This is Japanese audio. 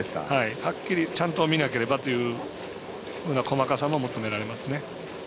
はっきりちゃんと見なければという細かさも求められますね。